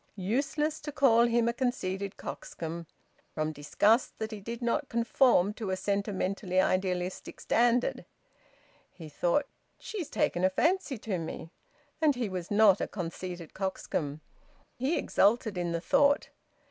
Useless to call him a conceited coxcomb, from disgust that he did not conform to a sentimentally idealistic standard! He thought: "She's taken a fancy to me!" And he was not a conceited coxcomb. He exulted in the thought.